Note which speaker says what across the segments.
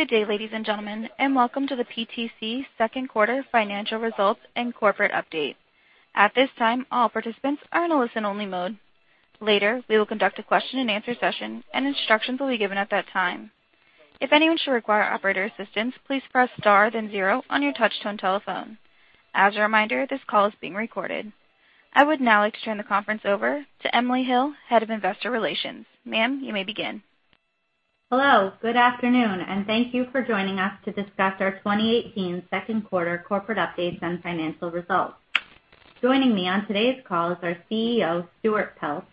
Speaker 1: Good day, ladies and gentlemen, welcome to the PTC second quarter financial results and corporate update. At this time, all participants are in a listen-only mode. Later, we will conduct a question-and-answer session and instructions will be given at that time. If anyone should require operator assistance, please press star then zero on your touchtone telephone. As a reminder, this call is being recorded. I would now like to turn the conference over to Emily Hill, Head of Investor Relations. Ma'am, you may begin.
Speaker 2: Hello, good afternoon, thank you for joining us to discuss our 2018 second quarter corporate updates and financial results. Joining me on today's call is our CEO, Stuart Peltz,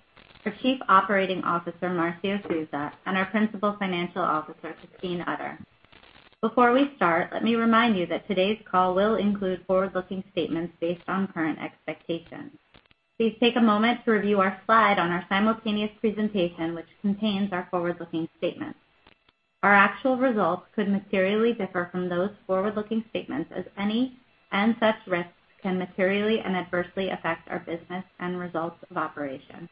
Speaker 2: our Chief Operating Officer, Marcio Souza, and our Principal Financial Officer, Christine Utter. Before we start, let me remind you that today's call will include forward-looking statements based on current expectations. Please take a moment to review our slide on our simultaneous presentation, which contains our forward-looking statements. Our actual results could materially differ from those forward-looking statements as any and such risks can materially and adversely affect our business and results of operation.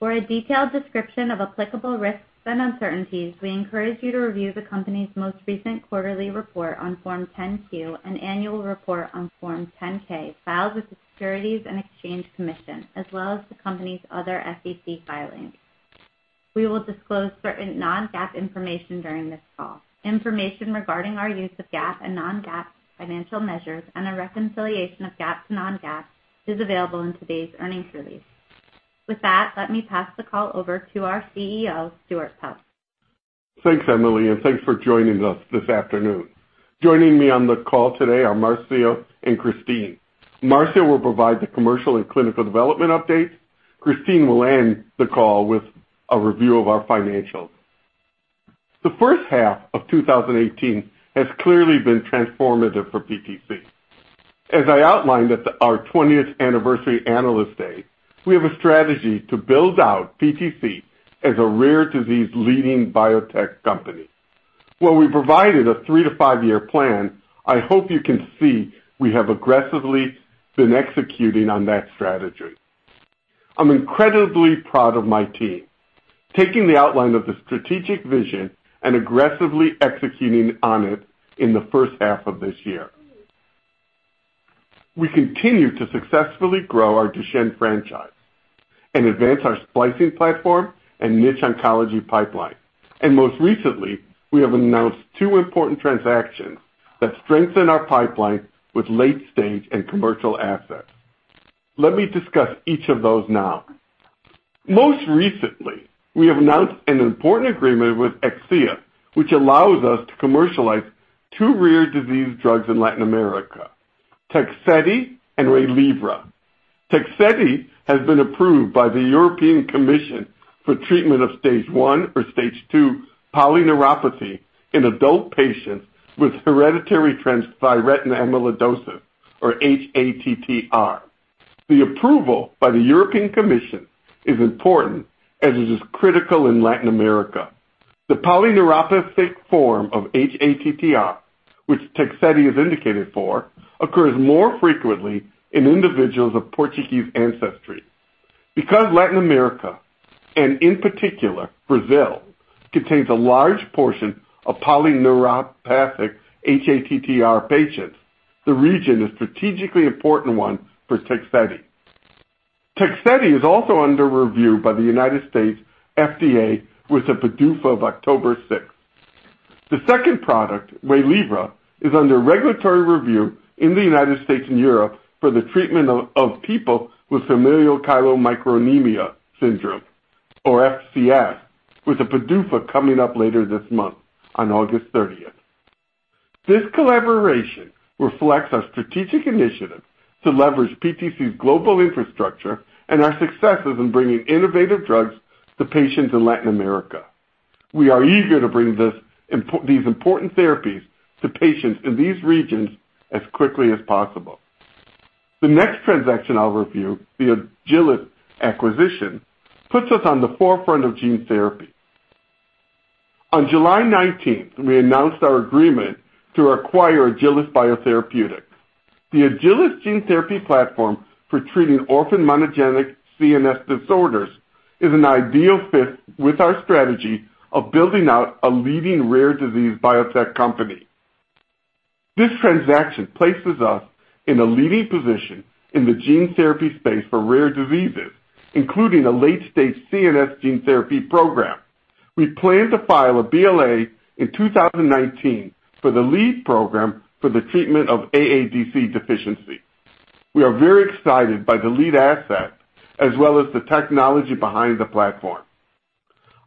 Speaker 2: For a detailed description of applicable risks and uncertainties, we encourage you to review the company's most recent quarterly report on Form 10-Q, annual report on Form 10-K filed with the Securities and Exchange Commission, as well as the company's other SEC filings. We will disclose certain non-GAAP information during this call. Information regarding our use of GAAP and non-GAAP financial measures and a reconciliation of GAAP to non-GAAP is available in today's earnings release. With that, let me pass the call over to our CEO, Stuart Peltz.
Speaker 3: Thanks, Emily, thanks for joining us this afternoon. Joining me on the call today are Marcio and Christine. Marcio will provide the commercial and clinical development update. Christine will end the call with a review of our financials. The first half of 2018 has clearly been transformative for PTC. As I outlined at our 20th anniversary Analyst Day, we have a strategy to build out PTC as a rare disease leading biotech company. While we provided a three to five-year plan, I hope you can see we have aggressively been executing on that strategy. I'm incredibly proud of my team, taking the outline of the strategic vision and aggressively executing on it in the first half of this year. We continue to successfully grow our Duchenne franchise and advance our splicing platform and niche oncology pipeline. Most recently, we have announced two important transactions that strengthen our pipeline with late-stage and commercial assets. Let me discuss each of those now. Most recently, we have announced an important agreement with Akcea which allows us to commercialize two rare disease drugs in Latin America, Tegsedi and Waylivra. Tegsedi has been approved by the European Commission for treatment of stage 1 or stage 2 polyneuropathy in adult patients with hereditary transthyretin amyloidosis or hATTR. The approval by the European Commission is important as it is critical in Latin America. The polyneuropathic form of hATTR, which Tegsedi is indicated for, occurs more frequently in individuals of Portuguese ancestry. Because Latin America, and in particular Brazil, contains a large portion of polyneuropathic hATTR patients, the region is a strategically important one for Tegsedi. Tegsedi is also under review by the U.S. FDA with a PDUFA of October 6th. The second product, Waylivra, is under regulatory review in the U.S. and Europe for the treatment of people with familial chylomicronaemia syndrome or FCS, with a PDUFA coming up later this month on August 30th. This collaboration reflects our strategic initiative to leverage PTC's global infrastructure and our successes in bringing innovative drugs to patients in Latin America. We are eager to bring these important therapies to patients in these regions as quickly as possible. The next transaction I'll review, the Agilis acquisition, puts us on the forefront of gene therapy. On July 19th, we announced our agreement to acquire Agilis Biotherapeutics. The Agilis gene therapy platform for treating orphan monogenic CNS disorders is an ideal fit with our strategy of building out a leading rare disease biotech company. This transaction places us in a leading position in the gene therapy space for rare diseases, including a late-stage CNS gene therapy program. We plan to file a BLA in 2019 for the lead program for the treatment of AADC deficiency. We are very excited by the lead asset as well as the technology behind the platform.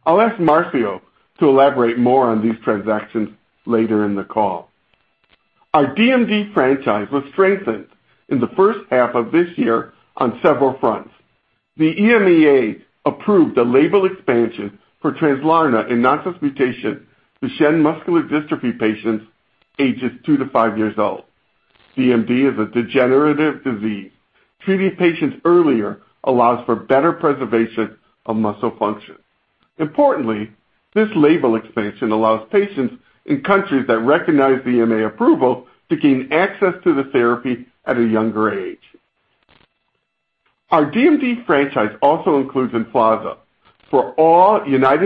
Speaker 3: I'll ask Marcio to elaborate more on these transactions later in the call. Our DMD franchise was strengthened in the first half of this year on several fronts. The EMA approved a label expansion for Translarna in nonsense mutation, Duchenne muscular dystrophy patients ages 2 to 5 years old. DMD is a degenerative disease. Treating patients earlier allows for better preservation of muscle function. Importantly, this label expansion allows patients in countries that recognize the EMA approval to gain access to the therapy at a younger age. Our DMD franchise also includes Emflaza for all U.S.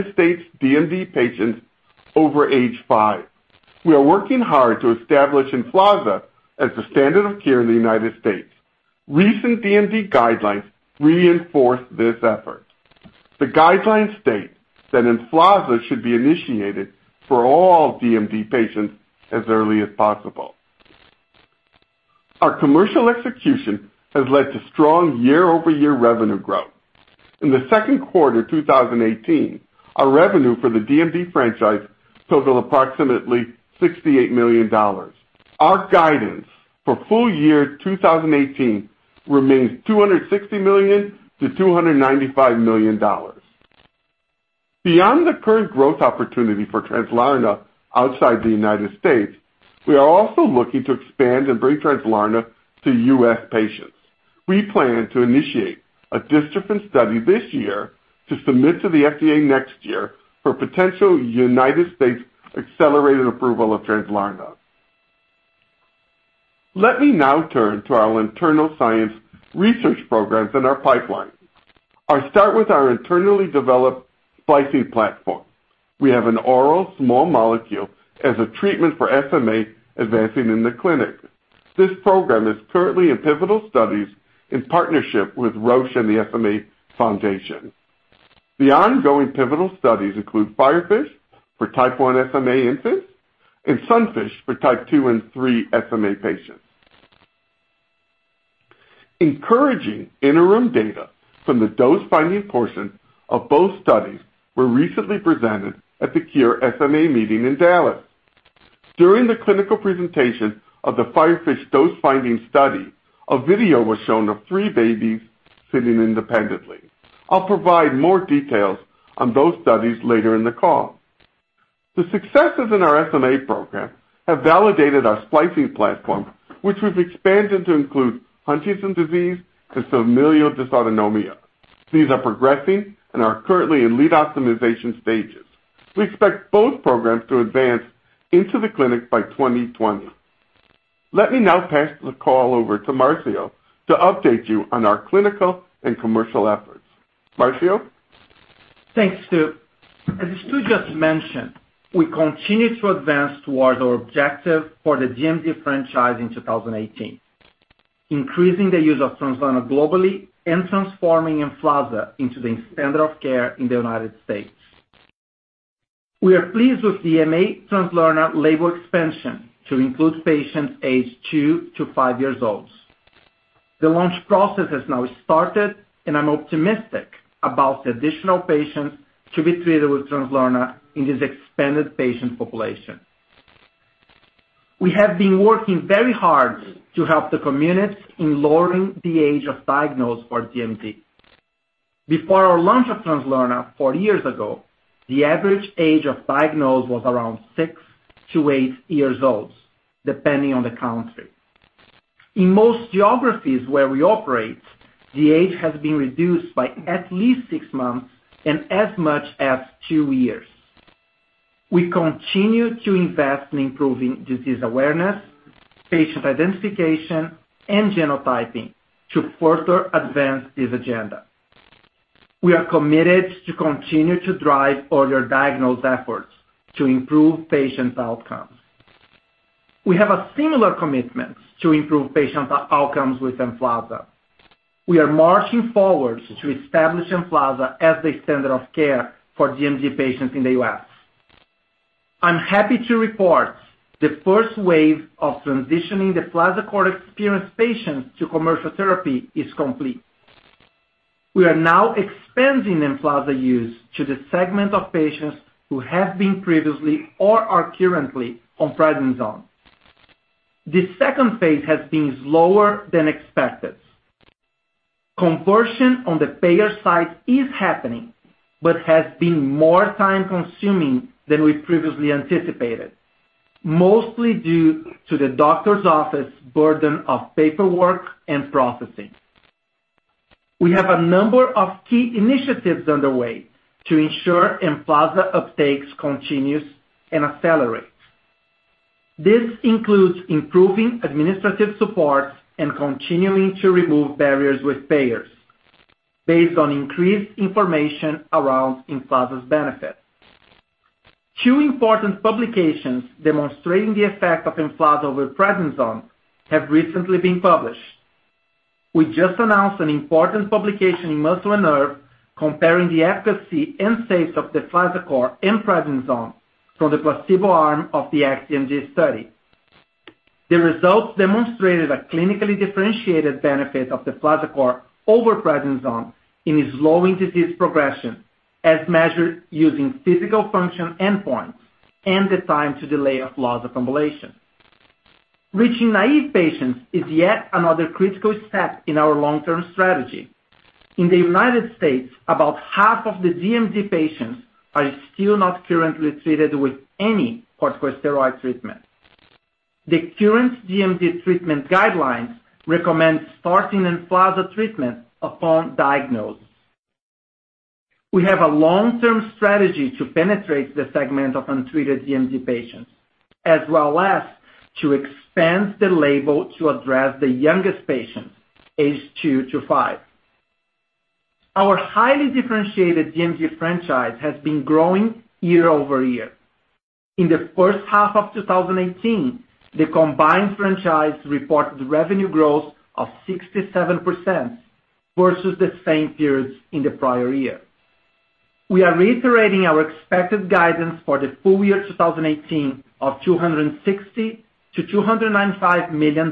Speaker 3: DMD patients over age 5. We are working hard to establish Emflaza as the standard of care in the U.S. Recent DMD guidelines reinforce this effort. The guidelines state that Emflaza should be initiated for all DMD patients as early as possible. Our commercial execution has led to strong year-over-year revenue growth. In the second quarter of 2018, our revenue for the DMD franchise totaled approximately $68 million. Our guidance for full year 2018 remains $260 million-$295 million. Beyond the current growth opportunity for Translarna outside the U.S., we are also looking to expand and bring Translarna to U.S. patients. We plan to initiate a dystrophin study this year to submit to the FDA next year for potential U.S. accelerated approval of Translarna. Let me now turn to our internal science research programs and our pipeline. I start with our internally developed splicing platform. We have an oral small molecule as a treatment for SMA advancing in the clinic. This program is currently in pivotal studies in partnership with Roche and the SMA Foundation. The ongoing pivotal studies include FIREFISH for type 1 SMA infants and SUNFISH for type 2 and 3 SMA patients. Encouraging interim data from the dose-finding portion of both studies were recently presented at the Cure SMA meeting in Dallas. During the clinical presentation of the FIREFISH dose-finding study, a video was shown of three babies sitting independently. I'll provide more details on those studies later in the call. The successes in our SMA program have validated our splicing platform, which we've expanded to include Huntington's disease and familial dysautonomia. These are progressing and are currently in lead optimization stages. We expect both programs to advance into the clinic by 2020. Let me now pass the call over to Marcio to update you on our clinical and commercial efforts. Marcio?
Speaker 4: Thanks, Stu. As Stu just mentioned, we continue to advance towards our objective for the DMD franchise in 2018, increasing the use of Translarna globally and transforming Emflaza into the standard of care in the U.S. We are pleased with the [CMA] Translarna label expansion to include patients aged 2 to 5 years old. I'm optimistic about the additional patients to be treated with Translarna in this expanded patient population. We have been working very hard to help the community in lowering the age of diagnosis for DMD. Before our launch of Translarna four years ago, the average age of diagnosis was around 6 to 8 years old, depending on the country. In most geographies where we operate, the age has been reduced by at least 6 months and as much as 2 years. We continue to invest in improving disease awareness, patient identification, and genotyping to further advance this agenda. We are committed to continue to drive earlier diagnosis efforts to improve patient outcomes. We have a similar commitment to improve patient outcomes with Emflaza. We are marching forward to establish Emflaza as the standard of care for DMD patients in the U.S. I'm happy to report the first wave of transitioning Emflaza-experienced patients to commercial therapy is complete. We are now expanding Emflaza use to the segment of patients who have been previously or are currently on prednisone. This second phase has been slower than expected. Conversion on the payer side is happening but has been more time-consuming than we previously anticipated, mostly due to the doctor's office burden of paperwork and processing. We have a number of key initiatives underway to ensure Emflaza uptake continues and accelerates. This includes improving administrative support and continuing to remove barriers with payers based on increased information around Emflaza's benefit. Two important publications demonstrating the effect of Emflaza over prednisone have recently been published. We just announced an important publication in "Muscle & Nerve" comparing the efficacy and safety of deflazacort and prednisone from the placebo arm of the ACT DMD study. The results demonstrated a clinically differentiated benefit of deflazacort over prednisone in slowing disease progression as measured using physical function endpoints and the time to delay of loss of ambulation. Reaching naive patients is yet another critical step in our long-term strategy. In the United States, about half of the DMD patients are still not currently treated with any corticosteroid treatment. The current DMD treatment guidelines recommend starting Emflaza treatment upon diagnosis. We have a long-term strategy to penetrate the segment of untreated DMD patients, as well as to expand the label to address the youngest patients, aged 2 to 5. Our highly differentiated DMD franchise has been growing year-over-year. In the first half of 2018, the combined franchise reported revenue growth of 67% versus the same periods in the prior year. We are reiterating our expected guidance for the full year 2018 of $260 million-$295 million.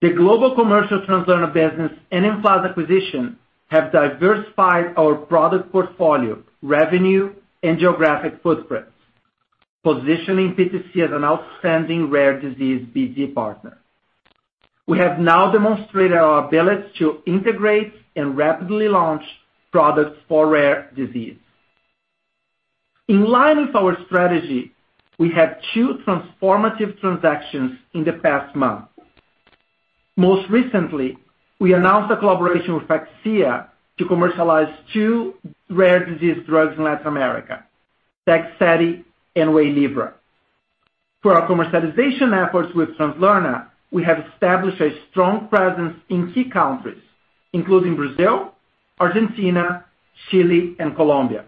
Speaker 4: The global commercial Translarna business and Agilis acquisition have diversified our product portfolio, revenue, and geographic footprints, positioning PTC as an outstanding rare disease BD partner. We have now demonstrated our ability to integrate and rapidly launch products for rare disease. In line with our strategy, we have two transformative transactions in the past month. Most recently, we announced a collaboration with Akcea to commercialize two rare disease drugs in Latin America, Tegsedi and Waylivra. For our commercialization efforts with Translarna, we have established a strong presence in key countries, including Brazil, Argentina, Chile, and Colombia.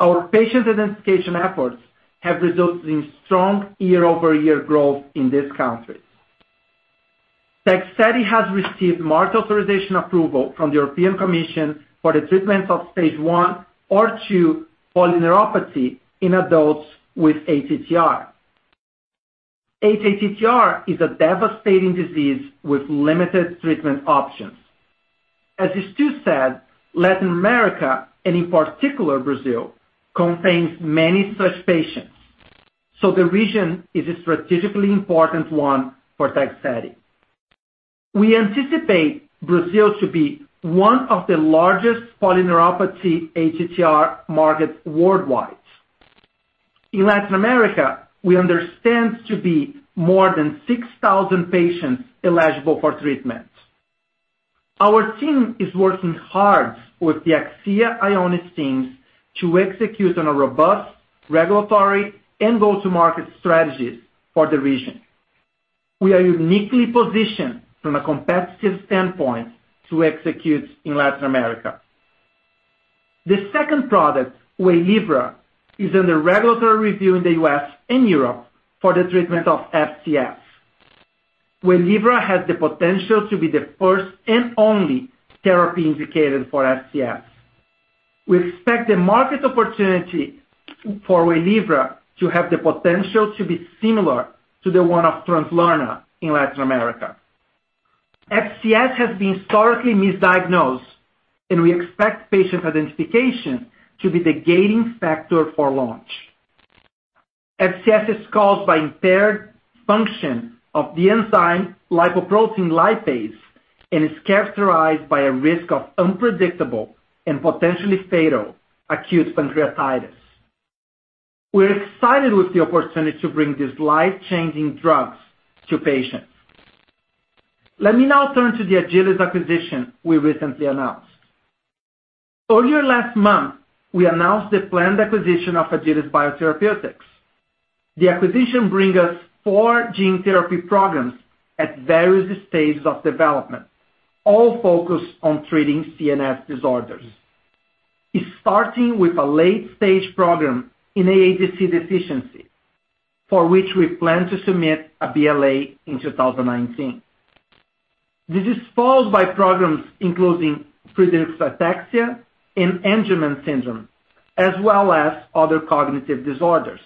Speaker 4: Our patient identification efforts have resulted in strong year-over-year growth in these countries. Tegsedi has received market authorization approval from the European Commission for the treatment of stage 1 or 2 polyneuropathy in adults with ATTR. hATTR is a devastating disease with limited treatment options. As Stu said, Latin America, and in particular Brazil, contains many such patients, so the region is a strategically important one for Tegsedi. We anticipate Brazil to be one of the largest polyneuropathy ATTR markets worldwide. In Latin America, we understand to be more than 6,000 patients eligible for treatment. Our team is working hard with the Akcea Ionis teams to execute on a robust regulatory and go-to-market strategies for the region. We are uniquely positioned from a competitive standpoint to execute in Latin America. The second product, Waylivra, is under regulatory review in the U.S. and Europe for the treatment of FCS. Waylivra has the potential to be the first and only therapy indicated for FCS. We expect the market opportunity for Waylivra to have the potential to be similar to the one of Translarna in Latin America. FCS has been historically misdiagnosed, and we expect patient identification to be the gating factor for launch. FCS is caused by impaired function of the enzyme lipoprotein lipase and is characterized by a risk of unpredictable and potentially fatal acute pancreatitis. We're excited with the opportunity to bring these life-changing drugs to patients. Let me now turn to the Agilis acquisition we recently announced. Earlier last month, we announced the planned acquisition of Agilis Biotherapeutics. The acquisition bring us four gene therapy programs at various stages of development, all focused on treating CNS disorders. It's starting with a late-stage program in AADC deficiency, for which we plan to submit a BLA in 2019. This is followed by programs including Friedreich's ataxia and Angelman syndrome, as well as other cognitive disorders.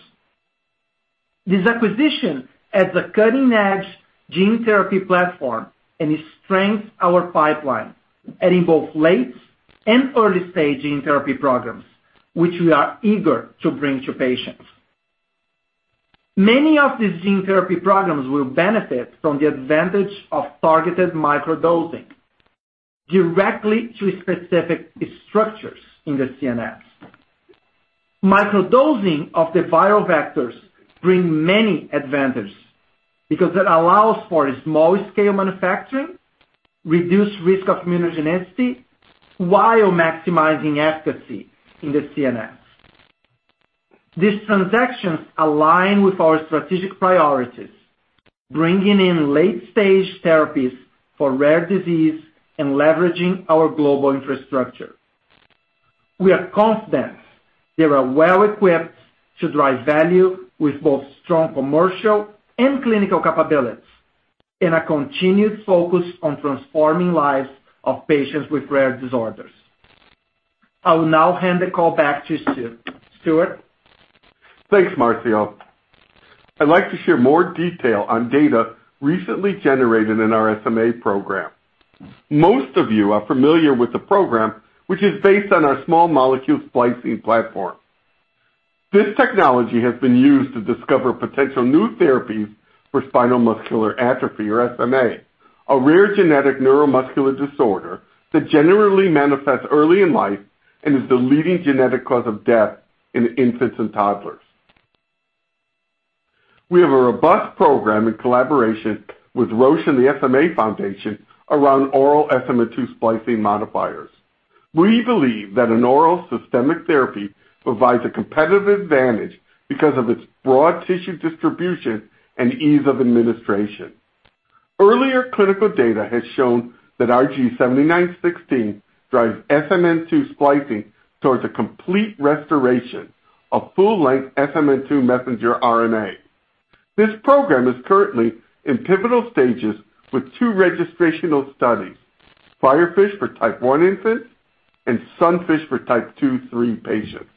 Speaker 4: This acquisition adds a cutting-edge gene therapy platform and it strengths our pipeline, adding both late and early-stage gene therapy programs, which we are eager to bring to patients. Many of these gene therapy programs will benefit from the advantage of targeted microdosing directly to specific structures in the CNS. Microdosing of the viral vectors bring many advantages because it allows for small-scale manufacturing, reduced risk of immunogenicity, while maximizing efficacy in the CNS. These transactions align with our strategic priorities, bringing in late-stage therapies for rare disease and leveraging our global infrastructure. We are confident they are well-equipped to drive value with both strong commercial and clinical capabilities and a continued focus on transforming lives of patients with rare disorders. I will now hand the call back to Stuart. Stuart?
Speaker 3: Thanks, Marcio. I'd like to share more detail on data recently generated in our SMA program. Most of you are familiar with the program, which is based on our small molecule splicing platform. This technology has been used to discover potential new therapies for spinal muscular atrophy, or SMA, a rare genetic neuromuscular disorder that generally manifests early in life and is the leading genetic cause of death in infants and toddlers. We have a robust program in collaboration with Roche and the SMA Foundation around oral SMN2 splicing modifiers. We believe that an oral systemic therapy provides a competitive advantage because of its broad tissue distribution and ease of administration. Earlier clinical data has shown that RG7916 drives SMN2 splicing towards a complete restoration of full-length SMN2 messenger RNA. This program is currently in pivotal stages with two registrational studies, FIREFISH for type 1 infants and SUNFISH for type 2/3 patients.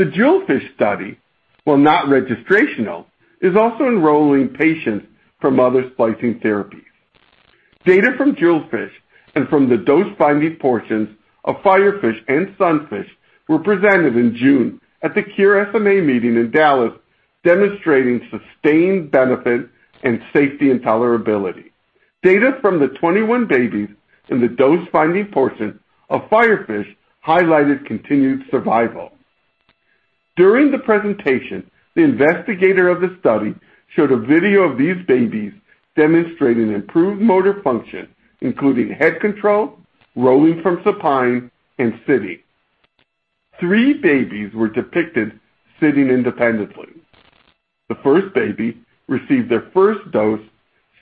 Speaker 3: The JEWELFISH study, while not registrational, is also enrolling patients from other splicing therapies. Data from JEWELFISH and from the dose-finding portions of FIREFISH and SUNFISH were presented in June at the Cure SMA meeting in Dallas, demonstrating sustained benefit in safety and tolerability. Data from the 21 babies in the dose-finding portion of FIREFISH highlighted continued survival. During the presentation, the investigator of the study showed a video of these babies demonstrating improved motor function, including head control, rolling from supine, and sitting. Three babies were depicted sitting independently. The first baby received their first dose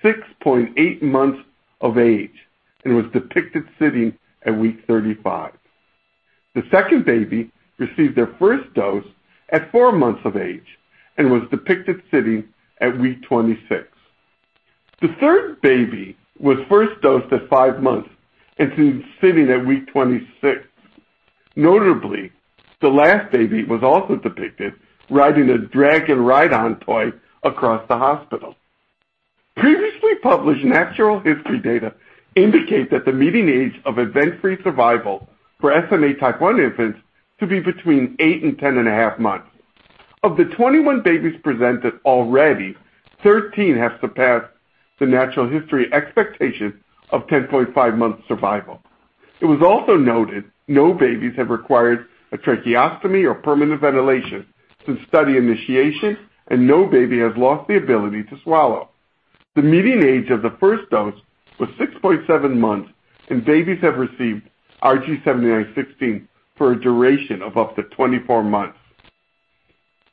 Speaker 3: at 6.8 months of age and was depicted sitting at week 35. The second baby received their first dose at four months of age and was depicted sitting at week 26. The third baby was first dosed at five months and seen sitting at week 26. Notably, the last baby was also depicted riding a dragon ride-on toy across the hospital. Previously published natural history data indicate that the median age of event-free survival for SMA type 1 infants to be between eight and 10.5 months. Of the 21 babies presented already, 13 have surpassed the natural history expectation of 10.5 months survival. It was also noted no babies have required a tracheostomy or permanent ventilation since study initiation, and no baby has lost the ability to swallow. The median age of the first dose was 6.7 months, and babies have received RG7916 for a duration of up to 24 months.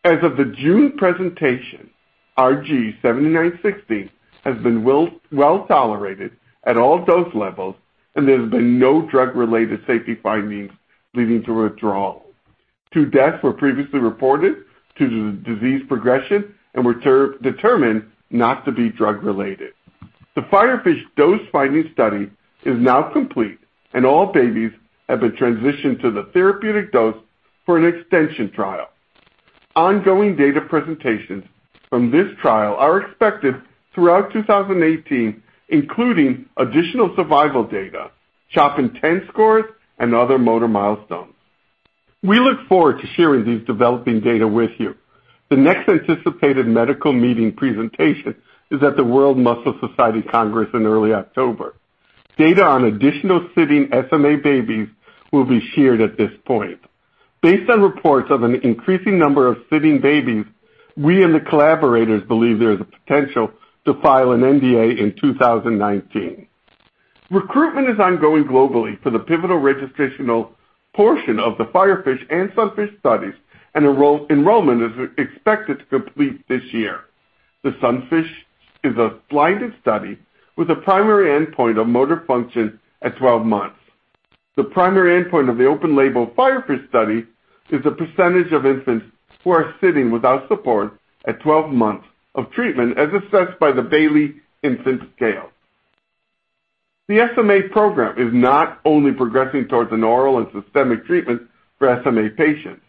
Speaker 3: As of the June presentation, RG7916 has been well tolerated at all dose levels, and there has been no drug-related safety findings leading to withdrawal. Two deaths were previously reported due to the disease progression and were determined not to be drug-related. The FIREFISH dose-finding study is now complete, and all babies have been transitioned to the therapeutic dose for an extension trial. Ongoing data presentations from this trial are expected throughout 2018, including additional survival data, CHOP INTEND scores, and other motor milestones. We look forward to sharing these developing data with you. The next anticipated medical meeting presentation is at the World Muscle Society Congress in early October. Data on additional sitting SMA babies will be shared at this point. Based on reports of an increasing number of sitting babies, we and the collaborators believe there is a potential to file an NDA in 2019. Recruitment is ongoing globally for the pivotal registrational portion of the FIREFISH and SUNFISH studies, and enrollment is expected to complete this year. The SUNFISH is a blinded study with a primary endpoint of motor function at 12 months. The primary endpoint of the open-label FIREFISH study is a percentage of infants who are sitting without support at 12 months of treatment, as assessed by the Bayley Scales of Infant Development. The SMA program is not only progressing towards an oral and systemic treatment for SMA patients,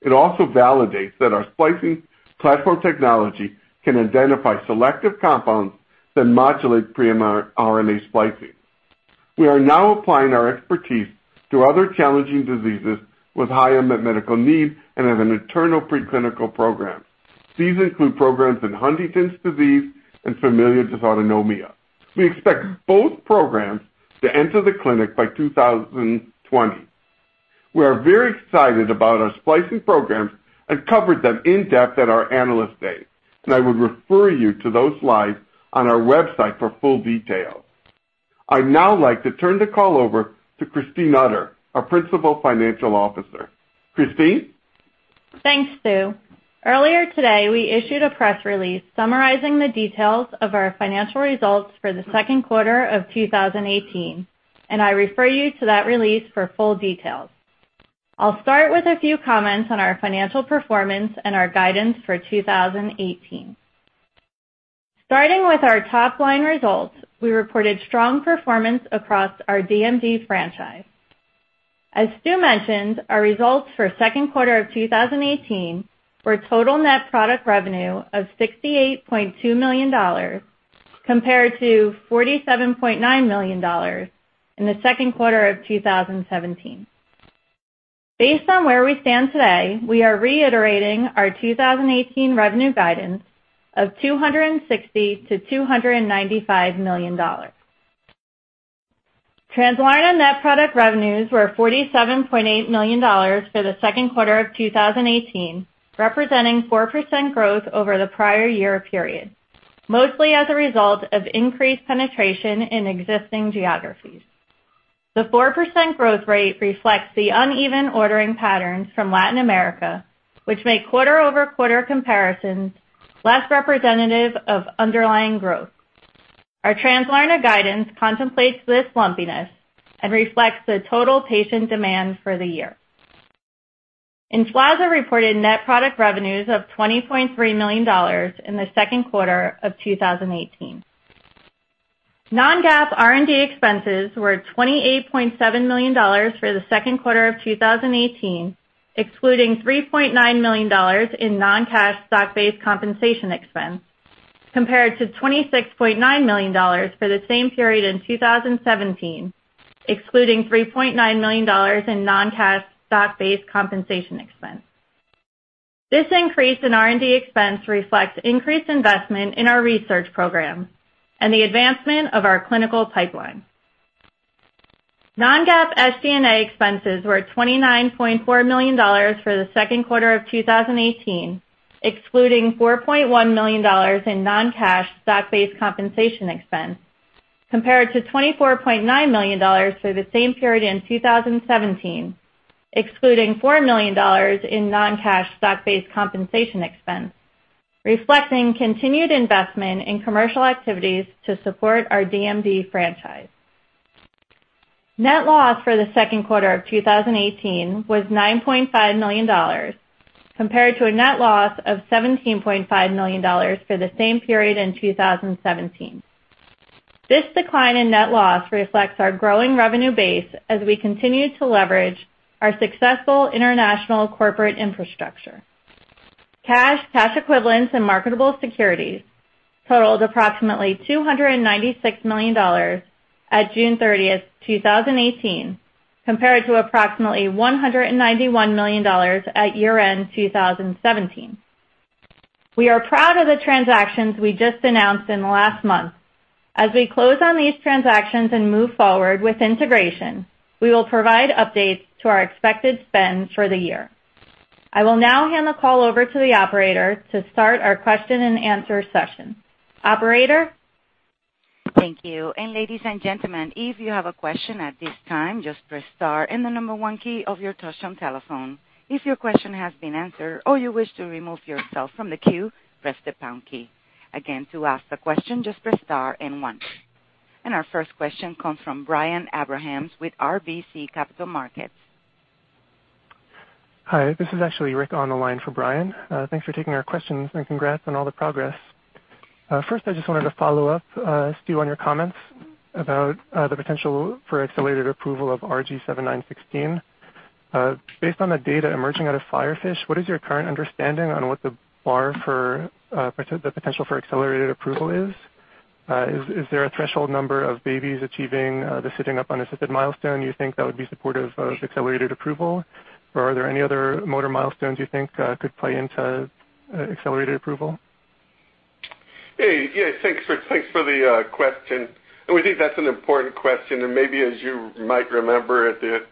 Speaker 3: it also validates that our splicing platform technology can identify selective compounds that modulate pre-RNA splicing. We are now applying our expertise to other challenging diseases with high unmet medical need and have an internal preclinical program. These include programs in Huntington's disease and familial dysautonomia. We expect both programs to enter the clinic by 2020. We are very excited about our splicing programs and covered them in-depth at our Analyst Day, I would refer you to those slides on our website for full details. I'd now like to turn the call over to Christine Utter, our Principal Financial Officer. Christine?
Speaker 5: Thanks, Stu. Earlier today, we issued a press release summarizing the details of our financial results for the second quarter of 2018. I refer you to that release for full details. I will start with a few comments on our financial performance and our guidance for 2018. Starting with our top-line results, we reported strong performance across our DMD franchise. As Stu mentioned, our results for second quarter of 2018 were total net product revenue of $68.2 million compared to $47.9 million in the second quarter of 2017. Based on where we stand today, we are reiterating our 2018 revenue guidance of $260 million-$295 million. Translarna net product revenues were $47.8 million for the second quarter of 2018, representing 4% growth over the prior year period, mostly as a result of increased penetration in existing geographies. The 4% growth rate reflects the uneven ordering patterns from Latin America, which make quarter-over-quarter comparisons less representative of underlying growth. Our Translarna guidance contemplates this lumpiness and reflects the total patient demand for the year. Emflaza reported net product revenues of $20.3 million in the second quarter of 2018. Non-GAAP R&D expenses were $28.7 million for the second quarter of 2018, excluding $3.9 million in non-cash stock-based compensation expense, compared to $26.9 million for the same period in 2017, excluding $3.9 million in non-cash stock-based compensation expense. This increase in R&D expense reflects increased investment in our research program and the advancement of our clinical pipeline. Non-GAAP SG&A expenses were $29.4 million for the second quarter of 2018, excluding $4.1 million in non-cash stock-based compensation expense, compared to $24.9 million for the same period in 2017, excluding $4 million in non-cash stock-based compensation expense, reflecting continued investment in commercial activities to support our DMD franchise. Net loss for the second quarter of 2018 was $9.5 million, compared to a net loss of $17.5 million for the same period in 2017. This decline in net loss reflects our growing revenue base as we continue to leverage our successful international corporate infrastructure. Cash, cash equivalents, and marketable securities totaled approximately $296 million at June 30th, 2018, compared to approximately $191 million at year-end 2017. We are proud of the transactions we just announced in the last month. As we close on these transactions and move forward with integration, we will provide updates to our expected spend for the year. I will now hand the call over to the operator to start our question and answer session. Operator?
Speaker 1: Thank you. Ladies and gentlemen, if you have a question at this time, just press star and the number 1 key of your touchtone telephone. If your question has been answered or you wish to remove yourself from the queue, press the pound key. Again, to ask a question, just press star and 1. Our first question comes from Brian Abrahams with RBC Capital Markets.
Speaker 6: Hi, this is actually Rick on the line for Brian. Thanks for taking our questions, and congrats on all the progress. First, I just wanted to follow up, Stu, on your comments about the potential for accelerated approval of RG7916. Based on the data emerging out of FIREFISH, what is your current understanding on what the bar for the potential for accelerated approval is? Is there a threshold number of babies achieving the sitting up unassisted milestone you think that would be supportive of accelerated approval? Or are there any other motor milestones you think could play into accelerated approval?
Speaker 3: Hey. Yeah. Thanks for the question. We think that's an important question. Maybe as you might remember it,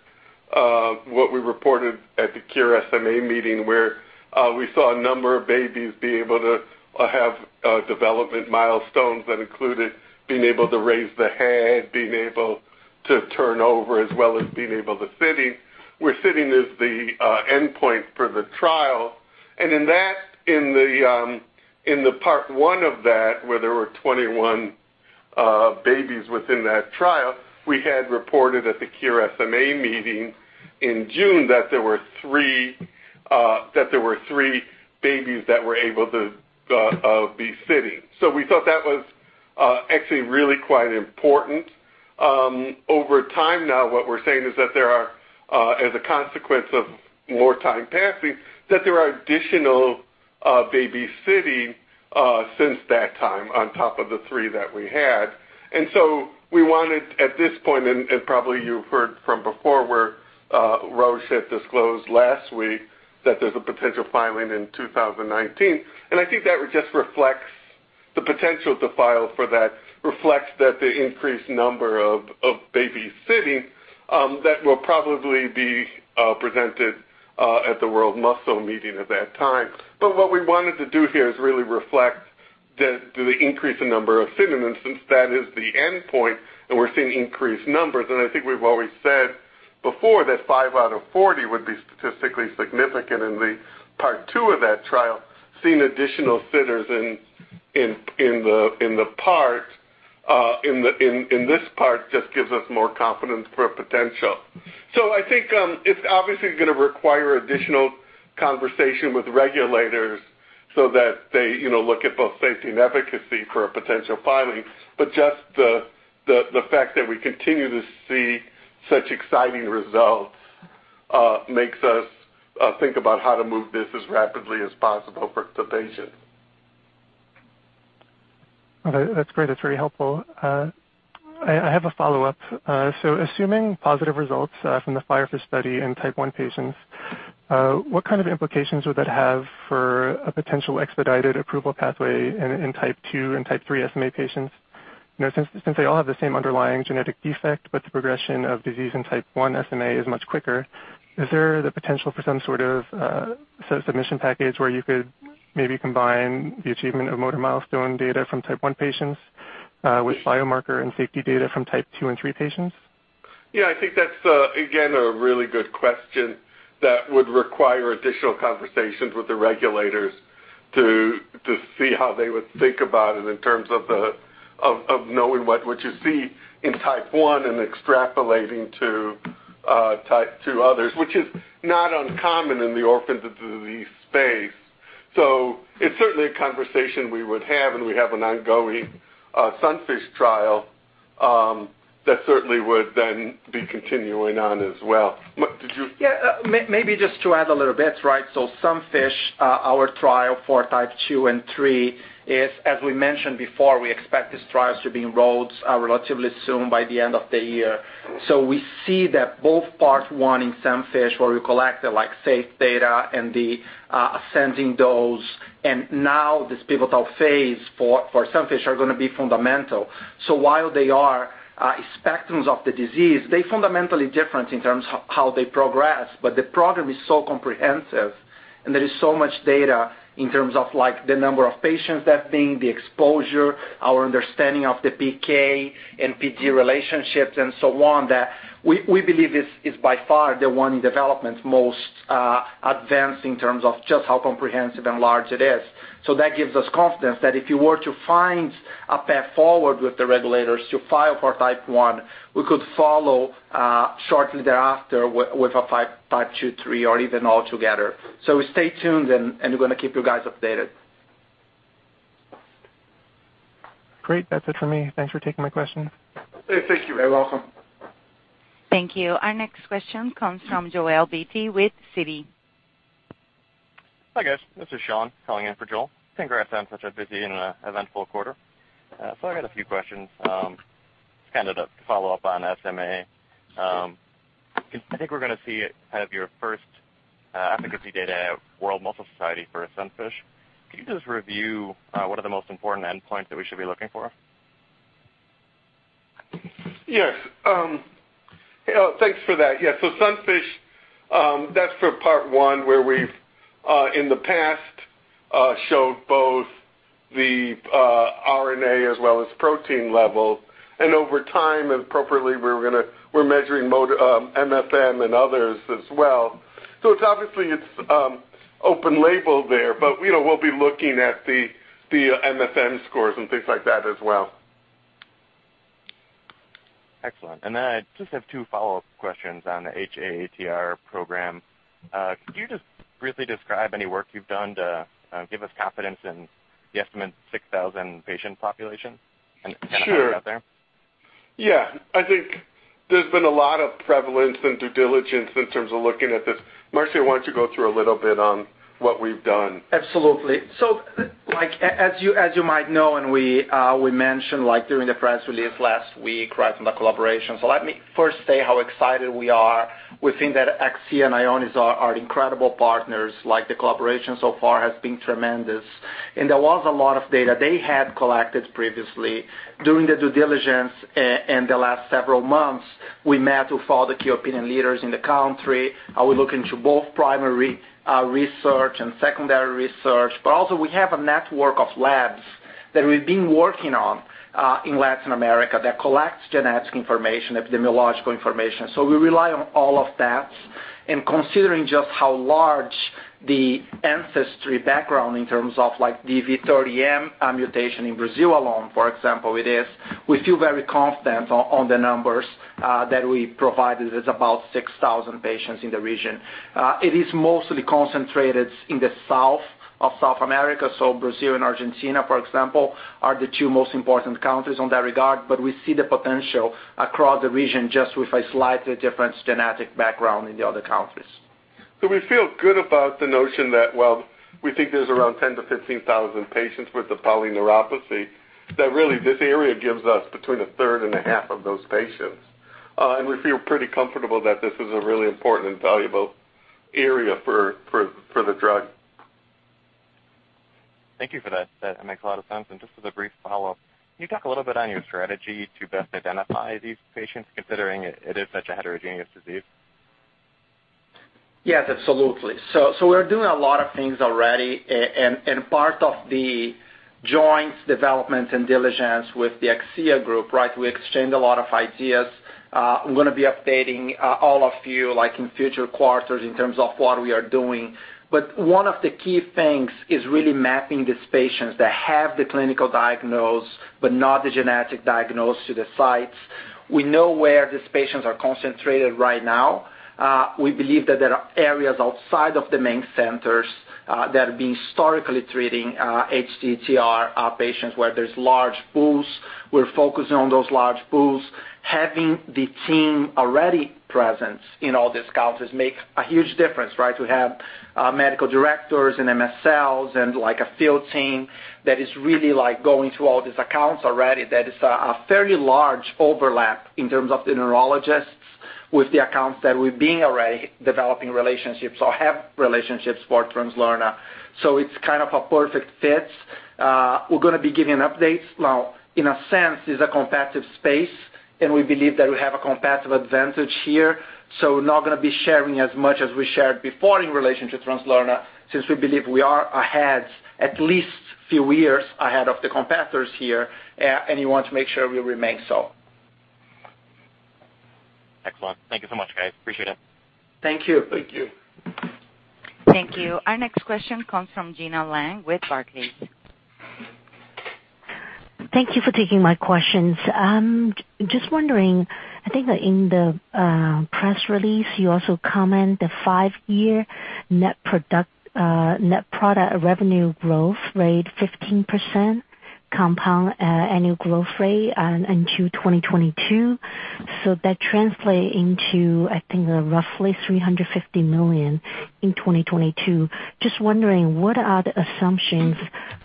Speaker 3: what we reported at the Cure SMA meeting where we saw a number of babies be able to have development milestones that included being able to raise the head, being able to turn over, as well as being able to sitting, where sitting is the endpoint for the trial. In the part 1 of that, where there were 21 babies within that trial, we had reported at the Cure SMA meeting in June that there were three babies that were able to be sitting. We thought that was actually really quite important. Over time now, what we're saying is that there are, as a consequence of more time passing, that there are additional babies sitting since that time on top of the three that we had. We wanted, at this point, probably you've heard from before where Roche had disclosed last week that there's a potential filing in 2019, I think that just reflects the potential to file for that reflects that the increased number of babies sitting that will probably be presented at the World Muscle meeting at that time. What we wanted to do here is really reflect the increase in number of sitting, since that is the endpoint and we're seeing increased numbers, I think we've always said before that five out of 40 would be statistically significant in the part 2 of that trial. Seeing additional sitters in this part just gives us more confidence for potential. I think it's obviously going to require additional conversation with regulators so that they look at both safety and efficacy for a potential filing. Just the fact that we continue to see such exciting results makes us think about how to move this as rapidly as possible for the patient.
Speaker 6: Okay. That's great. That's very helpful. I have a follow-up. Assuming positive results from the FIREFISH study in Type 1 patients, what kind of implications would that have for a potential expedited approval pathway in Type 2 and Type 3 SMA patients? Since they all have the same underlying genetic defect, but the progression of disease in Type 1 SMA is much quicker, is there the potential for some sort of submission package where you could maybe combine the achievement of motor milestone data from Type 1 patients with biomarker and safety data from Type 2 and 3 patients?
Speaker 3: Yeah, I think that's, again, a really good question that would require additional conversations with the regulators to see how they would think about it in terms of knowing what you see in Type 1 and extrapolating to Type 2 others, which is not uncommon in the orphan disease space. It's certainly a conversation we would have, and we have an ongoing SUNFISH trial that certainly would then be continuing on as well.
Speaker 4: Yeah. Maybe just to add a little bit. SUNFISH, our trial for Type 2 and 3, is, as we mentioned before, we expect these trials to be enrolled relatively soon by the end of the year. We see that both Part 1 in SUNFISH, where we collect the safety data and the ascending dose, and now this pivotal phase for SUNFISH are going to be fundamental. While they are spectrums of the disease, they're fundamentally different in terms of how they progress. The program is so comprehensive, and there is so much data in terms of the number of patients testing, the exposure, our understanding of the PK and PD relationships, and so on, that we believe it's by far the one development most advanced in terms of just how comprehensive and large it is. That gives us confidence that if you were to find a path forward with the regulators to file for type 1, we could follow shortly thereafter with a type 2/3, or even altogether. Stay tuned, and we're going to keep you guys updated.
Speaker 6: Great. That's it for me. Thanks for taking my question.
Speaker 3: Thank you.
Speaker 4: You're welcome.
Speaker 1: Thank you. Our next question comes from Joel Beatty with Citi.
Speaker 7: Hi, guys. This is Sean calling in for Joel. Congrats on such a busy and eventful quarter. I got a few questions, kind of to follow up on SMA. I think we're going to see kind of your first efficacy data at World Muscle Society for SUNFISH. Can you just review what are the most important endpoints that we should be looking for?
Speaker 3: Yes. Thanks for that. Yeah. SUNFISH, that's for Part 1 where we've, in the past, showed both the RNA as well as protein level. Over time, appropriately, we're measuring MFM and others as well. Obviously, it's open label there, but we'll be looking at the MFM scores and things like that as well.
Speaker 7: Excellent. I just have two follow-up questions on the hATTR program. Could you just briefly describe any work you've done to give us confidence in the estimated 6,000 patient population kind of figure out there?
Speaker 3: Sure. Yeah. I think there's been a lot of prevalence and due diligence in terms of looking at this. Marcio, why don't you go through a little bit on what we've done?
Speaker 4: Absolutely. As you might know, and we mentioned during the press release last week from the collaboration. Let me first say how excited we are. We think that Akcea and Ionis are incredible partners. The collaboration so far has been tremendous. There was a lot of data they had collected previously during the due diligence in the last several months. We met with all the key opinion leaders in the country. We look into both primary research and secondary research. We also have a network of labs that we've been working on in Latin America that collects genetic information, epidemiological information. We rely on all of that. Considering just how large the ancestry background in terms of V30M mutation in Brazil alone, for example, it is, we feel very confident on the numbers that we provided as about 6,000 patients in the region. It is mostly concentrated in the south of South America. Brazil and Argentina, for example, are the two most important countries in that regard. We see the potential across the region, just with a slightly different genetic background in the other countries.
Speaker 3: We feel good about the notion that, well, we think there's around 10,000-15,000 patients with the polyneuropathy, that really this area gives us between a third and a half of those patients. We feel pretty comfortable that this is a really important and valuable area for the drug.
Speaker 7: Thank you for that. That makes a lot of sense. Just as a brief follow-up, can you talk a little bit on your strategy to best identify these patients, considering it is such a heterogeneous disease?
Speaker 4: Yes, absolutely. We're doing a lot of things already, and part of the joint development and diligence with the Akcea group. We exchanged a lot of ideas. I'm going to be updating all of you in future quarters in terms of what we are doing. One of the key things is really mapping these patients that have the clinical diagnosis but not the genetic diagnosis to the sites. We know where these patients are concentrated right now. We believe that there are areas outside of the main centers that have been historically treating hATTR patients where there's large pools. We're focusing on those large pools. Having the team already present in all these countries makes a huge difference. We have our medical directors and MSLs and a field team that is really going through all these accounts already. That is a fairly large overlap in terms of the neurologists with the accounts that we've been already developing relationships or have relationships for Translarna. It's kind of a perfect fit. We're going to be giving updates. Now, in a sense, it's a competitive space, and we believe that we have a competitive advantage here, so not going to be sharing as much as we shared before in relation to Translarna since we believe we are ahead, at least a few years ahead of the competitors here, and we want to make sure we remain so.
Speaker 7: Excellent. Thank you so much, guys. Appreciate it.
Speaker 4: Thank you.
Speaker 3: Thank you.
Speaker 1: Thank you. Our next question comes from Gena Wang with Barclays.
Speaker 8: Thank you for taking my questions. Just wondering, I think that in the press release, you also comment the five-year net product revenue growth rate 15% compound annual growth rate until 2022. That translates into, I think, roughly $350 million in 2022. Just wondering, what are the assumptions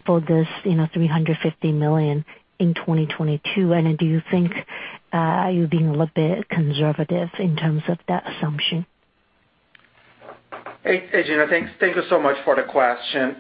Speaker 8: for this $350 million in 2022? Do you think are you being a little bit conservative in terms of that assumption?
Speaker 4: Hey, Gena. Thanks. Thank you so much for the question.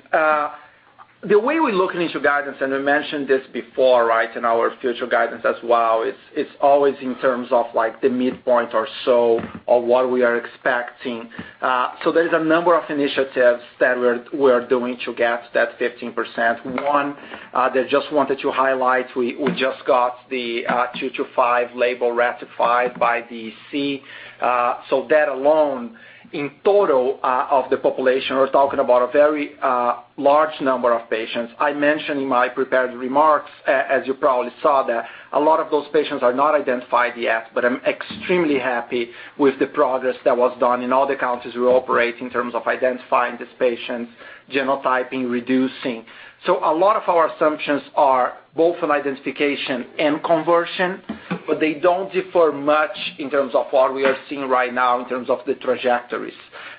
Speaker 4: The way we look into guidance, and I mentioned this before in our future guidance as well, it's always in terms of the midpoint or so of what we are expecting. There's a number of initiatives that we're doing to get that 15%. One, that I just wanted to highlight, we just got the 2 to 5 label ratified by the EC. That alone, in total of the population, we're talking about a very large number of patients. I mentioned in my prepared remarks as you probably saw, that a lot of those patients are not identified yet, but I'm extremely happy with the progress that was done in all the countries we operate in terms of identifying these patients, genotyping, reducing. A lot of our assumptions are both on identification and conversion, but they don't differ much in terms of what we are seeing right now in terms of the trajectories.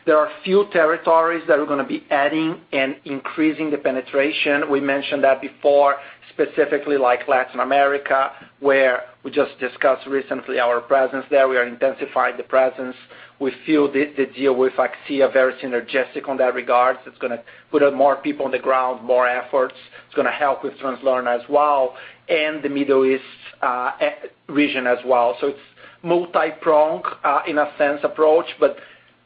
Speaker 4: There are a few territories that we're going to be adding and increasing the penetration. We mentioned that before, specifically Latin America, where we just discussed recently our presence there. We are intensifying the presence. We feel the deal with Akcea, very synergistic on that regard. It's going to put more people on the ground, more efforts. It's going to help with Translarna as well, and the Middle East region as well. It's multi-pronged, in a sense, approach, but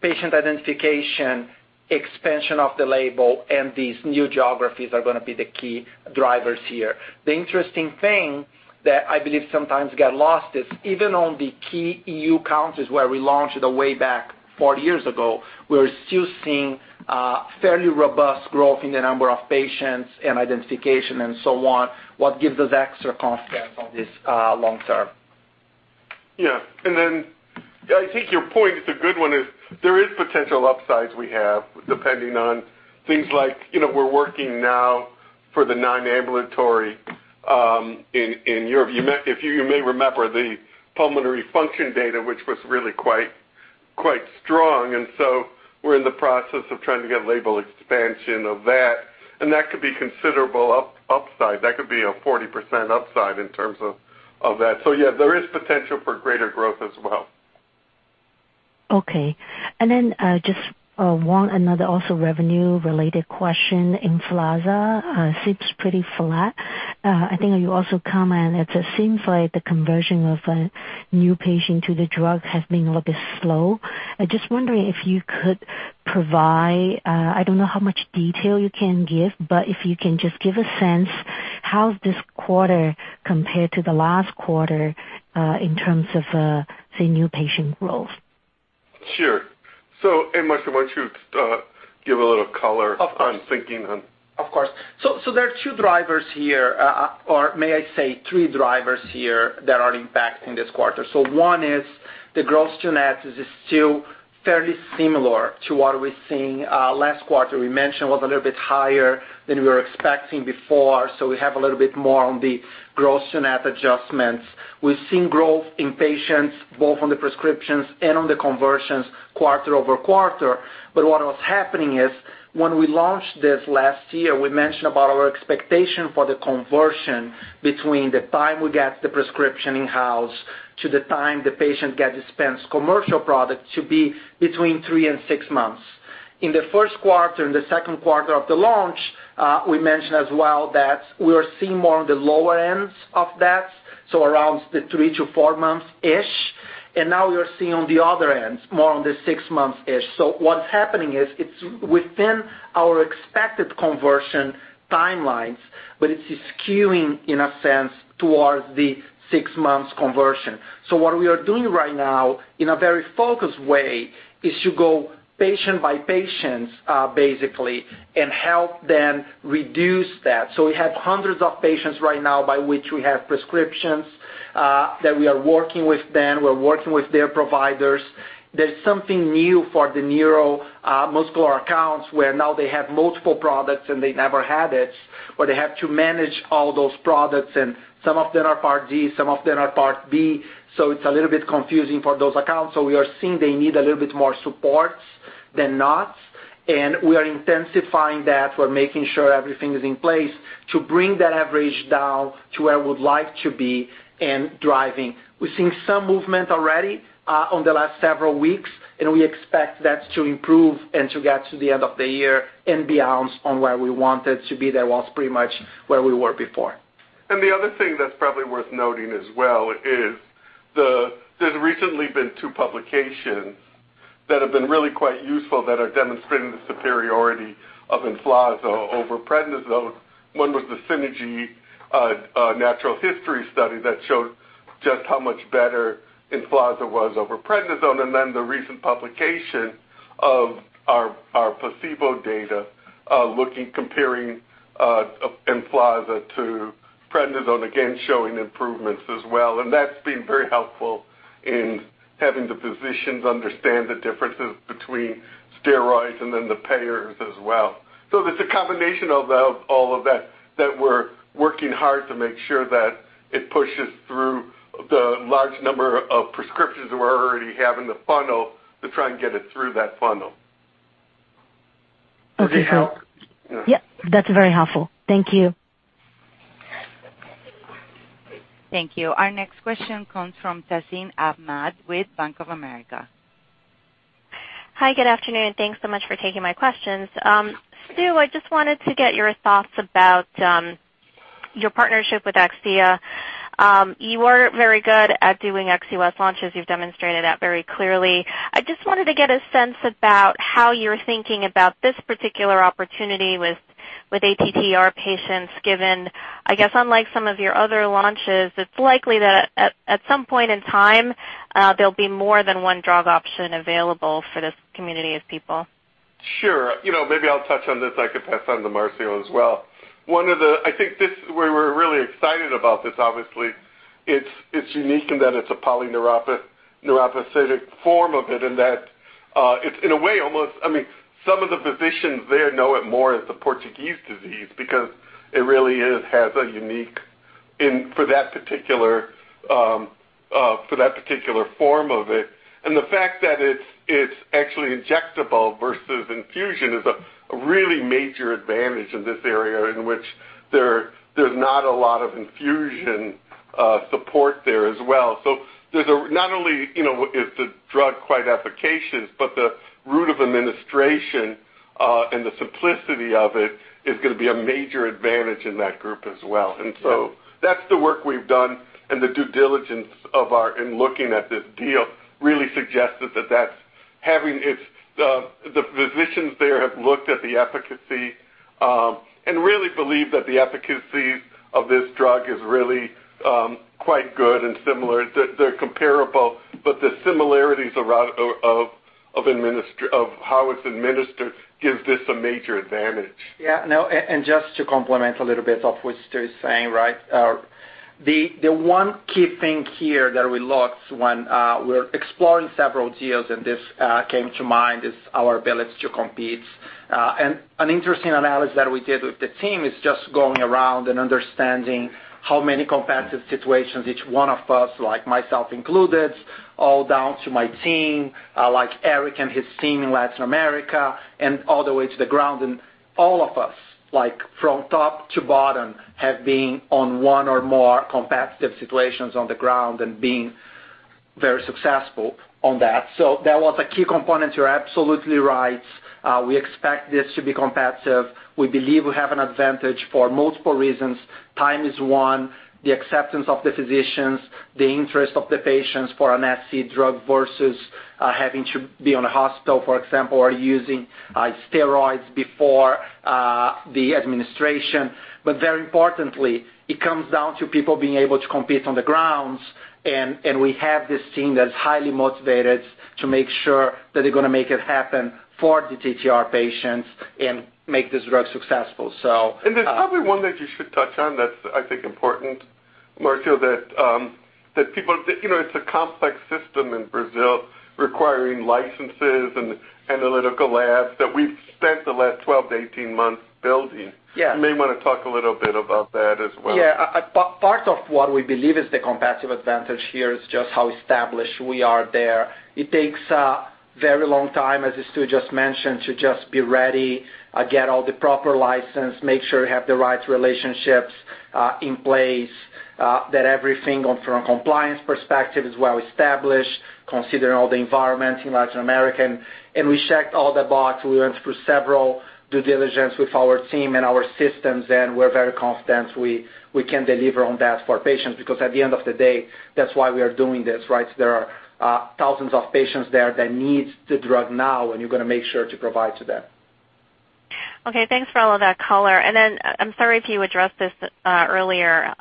Speaker 4: patient identification, expansion of the label, and these new geographies are going to be the key drivers here. The interesting thing that I believe sometimes gets lost is even on the key EU countries where we launched it way back four years ago, we're still seeing fairly robust growth in the number of patients and identification and so on, what gives us extra confidence on this long term.
Speaker 3: I think your point is a good one, is there is potential upsides we have, depending on things like we're working now for the non-ambulatory in Europe. You may remember the pulmonary function data, which was really quite strong, and we're in the process of trying to get label expansion of that, and that could be considerable upside. That could be a 40% upside in terms of that. There is potential for greater growth as well.
Speaker 8: Just one other also revenue-related question. Emflaza seems pretty flat. I think you also comment it seems like the conversion of a new patient to the drug has been a little bit slow. I'm just wondering if you could provide, I don't know how much detail you can give, but if you can just give a sense how is this quarter compared to the last quarter in terms of, say, new patient [enrolled].
Speaker 3: Sure. Marcio, why don't you give a little color.
Speaker 4: Of course.
Speaker 3: on thinking on.
Speaker 4: Of course. There are two drivers here, or may I say three drivers here that are impacting this quarter. One is the gross to net is still fairly similar to what we're seeing last quarter. We mentioned it was a little bit higher than we were expecting before, we have a little bit more on the gross to net adjustments. We're seeing growth in patients both on the prescriptions and on the conversions quarter-over-quarter. What was happening is when we launched this last year, we mentioned about our expectation for the conversion between the time we get the prescription in-house to the time the patient gets dispensed commercial product to be between three and six months. In the first quarter, in the second quarter of the launch, we mentioned as well that we are seeing more on the lower ends of that, around the three to four months-ish. Now we are seeing on the other end, more on the six months-ish. What's happening is it's within our expected conversion timelines, but it's skewing, in a sense, towards the six months conversion. What we are doing right now, in a very focused way, is to go patient by patient basically and help them reduce that. We have hundreds of patients right now by which we have prescriptions that we are working with them. We're working with their providers. There's something new for the neuromuscular accounts, where now they have multiple products, and they never had it, where they have to manage all those products, and some of them are Part D, some of them are Part B. It's a little bit confusing for those accounts. We are seeing they need a little bit more support than not. We are intensifying that. We're making sure everything is in place to bring that average down to where we'd like to be and driving. We're seeing some movement already on the last several weeks, and we expect that to improve and to get to the end of the year and beyond on where we wanted to be. That was pretty much where we were before.
Speaker 3: The other thing that's probably worth noting as well is there's recently been two publications that have been really quite useful that are demonstrating the superiority of Emflaza over prednisone. One was the CINRG Natural History study that showed just how much better Emflaza was over prednisone, the recent publication of our placebo data comparing Emflaza to prednisone, again, showing improvements as well. That's been very helpful in having the physicians understand the differences between steroids and then the payers as well. It's a combination of all of that that we're working hard to make sure that it pushes through the large number of prescriptions that we already have in the funnel to try and get it through that funnel.
Speaker 8: Okay.
Speaker 3: Would that help?
Speaker 8: Yep, that's very helpful. Thank you.
Speaker 1: Thank you. Our next question comes from Tazeen Ahmad with Bank of America.
Speaker 9: Hi, good afternoon. Thanks so much for taking my questions. Stu, I just wanted to get your thoughts about your partnership with Akcea. You are very good at doing ex-U.S. launches. You've demonstrated that very clearly. I just wanted to get a sense about how you're thinking about this particular opportunity with ATTR patients, given, I guess, unlike some of your other launches, it's likely that at some point in time, there'll be more than one drug option available for this community of people.
Speaker 3: Sure. Maybe I'll touch on this. I could pass on to Marcio as well. I think we're really excited about this, obviously. It's unique in that it's a polyneuropathic form of it, and that it's in a way almost some of the physicians there know it more as the Portuguese disease because it really has a unique for that particular form of it. The fact that it's actually injectable versus infusion is a really major advantage in this area in which there's not a lot of infusion support there as well. Not only is the drug quite efficacious, but the route of administration and the simplicity of it is going to be a major advantage in that group as well. that's the work we've done and the due diligence in looking at this deal really suggested that the physicians there have looked at the efficacy and really believe that the efficacy of this drug is really quite good and similar. They're comparable, but the similarities of how it's administered gives this a major advantage.
Speaker 4: Yeah. Just to complement a little bit of what Stu is saying. The one key thing here that we looked when we were exploring several deals, and this came to mind, is our ability to compete. An interesting analysis that we did with the team is just going around and understanding how many competitive situations each one of us, like myself included, all down to my team like Erik and his team in Latin America and all the way to the ground. All of us, from top to bottom, have been on one or more competitive situations on the ground and been very successful on that. That was a key component. You're absolutely right. We expect this to be competitive. We believe we have an advantage for multiple reasons. Time is one, the acceptance of the physicians, the interest of the patients for an SC drug versus having to be in a hospital, for example, or using steroids before the administration. Very importantly, it comes down to people being able to compete on the grounds, and we have this team that's highly motivated to make sure that they're going to make it happen for the TTR patients and make this drug successful.
Speaker 3: There's probably one that you should touch on that's, I think, important, Marcio, that it's a complex system in Brazil requiring licenses and analytical labs that we've spent the last 12 to 18 months building.
Speaker 4: Yeah.
Speaker 3: You may want to talk a little bit about that as well.
Speaker 4: Yeah. Part of what we believe is the competitive advantage here is just how established we are there. It takes a very long time, as Stu just mentioned, to just be ready, get all the proper license, make sure you have the right relationships in place, that everything from a compliance perspective is well established, considering all the environments in Latin America. We checked all the box. We went through several due diligence with our team and our systems. We're very confident we can deliver on that for patients because at the end of the day, that's why we are doing this, right? There are thousands of patients there that need the drug now. You're going to make sure to provide to them.
Speaker 9: Okay, thanks for all of that color. I'm sorry if you addressed this earlier,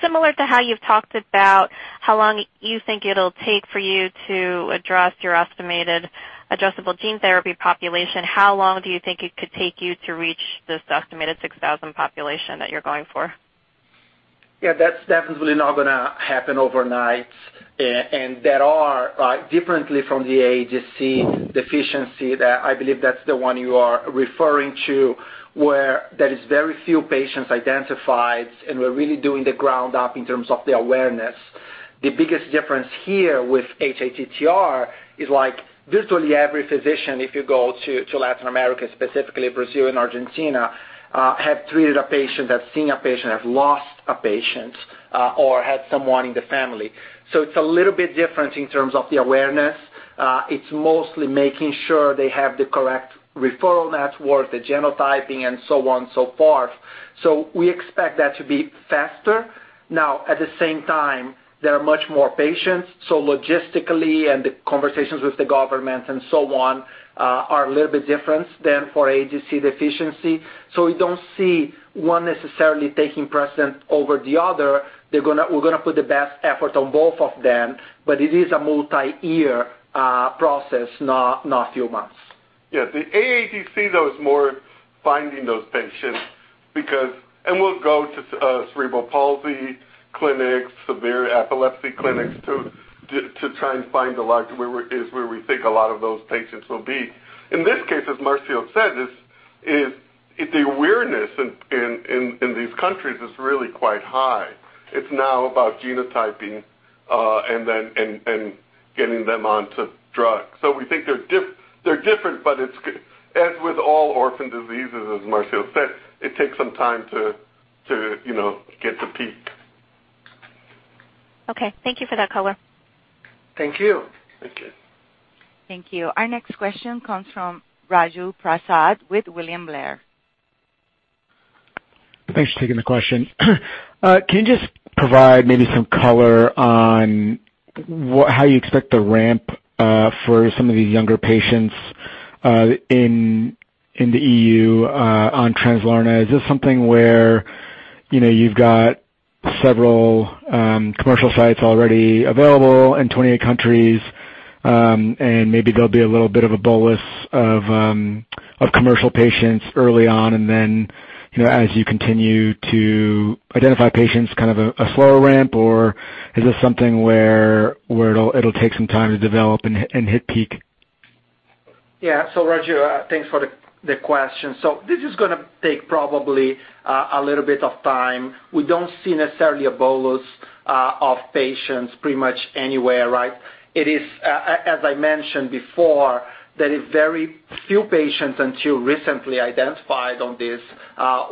Speaker 9: similar to how you've talked about how long you think it'll take for you to address your estimated addressable gene therapy population, how long do you think it could take you to reach this estimated 6,000 population that you're going for?
Speaker 4: Yeah, that's definitely not going to happen overnight. There are, differently from the AADC deficiency, I believe that's the one you are referring to, where there is very few patients identified, and we're really doing the ground up in terms of the awareness. The biggest difference here with hATTR is virtually every physician, if you go to Latin America, specifically Brazil and Argentina, have treated a patient, have seen a patient, have lost a patient, or had someone in the family. It's a little bit different in terms of the awareness. It's mostly making sure they have the correct referral networks, the genotyping, and so on and so forth. We expect that to be faster. Now, at the same time, there are much more patients, logistically, the conversations with the government and so on, are a little bit different than for AADC deficiency. We don't see one necessarily taking precedence over the other. We're going to put the best effort on both of them, but it is a multi-year process, not a few months.
Speaker 3: Yes. The AADC, though, is more finding those patients. We'll go to cerebral palsy clinics, severe epilepsy clinics to try and find a lot where we think a lot of those patients will be. In this case, as Marcio said, the awareness in these countries is really quite high. It's now about genotyping, and getting them onto drugs. We think they're different, but as with all orphan diseases, as Marcio said, it takes some time to get to peak.
Speaker 9: Okay. Thank you for that color.
Speaker 4: Thank you.
Speaker 3: Thank you.
Speaker 1: Thank you. Our next question comes from Raju Prasad with William Blair.
Speaker 10: Thanks for taking the question. Can you just provide maybe some color on how you expect the ramp for some of these younger patients in the EU on Translarna? Is this something where you've got several commercial sites already available in 28 countries, and maybe there'll be a little bit of a bolus of commercial patients early on, and then, as you continue to identify patients, kind of a slower ramp? Or is this something where it'll take some time to develop and hit peak?
Speaker 4: Yeah. Raju, thanks for the question. This is going to take probably a little bit of time. We don't see necessarily a bolus of patients pretty much anywhere. As I mentioned before, there is very few patients until recently identified on this.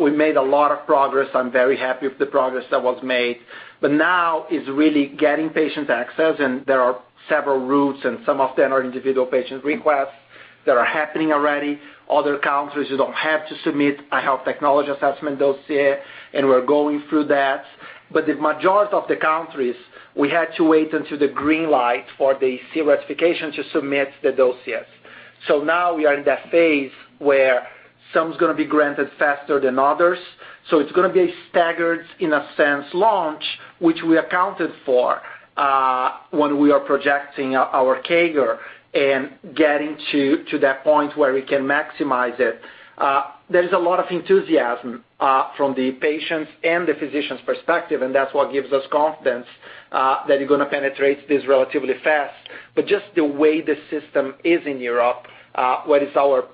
Speaker 4: We made a lot of progress. I'm very happy with the progress that was made. Now it's really getting patients access, and there are several routes, and some of them are individual patient requests that are happening already. Other countries, you don't have to submit a health technology assessment dossier, and we're going through that. The majority of the countries, we had to wait until the green light for the CE ratification to submit the dossiers. Now we are in that phase where some is going to be granted faster than others. It's going to be a staggered, in a sense, launch, which we accounted for when we are projecting our CAGR and getting to that point where we can maximize it. There's a lot of enthusiasm from the patients and the physicians' perspective, and that's what gives us confidence that we're going to penetrate this relatively fast. Just the way the system is in Europe, where it's our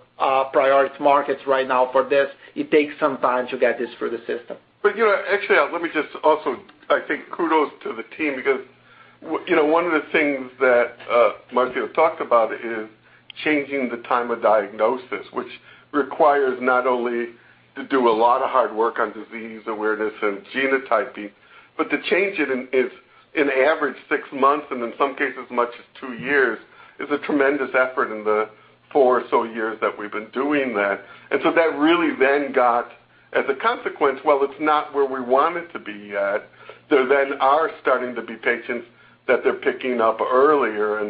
Speaker 4: priority markets right now for this, it takes some time to get this through the system.
Speaker 3: Let me just also, I think kudos to the team because one of the things that Marcio talked about is changing the time of diagnosis, which requires not only to do a lot of hard work on disease awareness and genotyping, but to change it in average six months, and in some cases, as much as two years, is a tremendous effort in the four or so years that we've been doing that. That really got, as a consequence, while it's not where we want it to be yet, there are starting to be patients that they're picking up earlier.